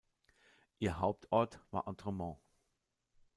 Ihr Hauptort war Entremont.